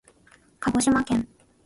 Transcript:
かごしまけん